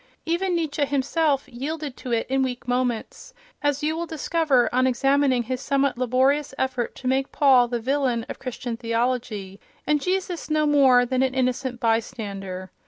Even Nietzsche himself yielded to it in weak moments, as you will discover on examining his somewhat laborious effort to make Paul the villain of Christian theology, and Jesus no more than an innocent bystander.